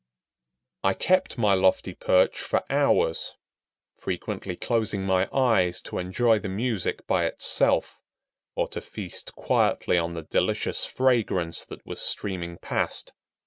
I kept my lofty perch for hours, frequently closing my eyes to enjoy the music by itself, or to feast quietly on the delicious fragrance that was streaming past.